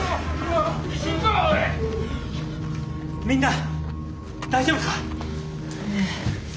みんな大丈夫か？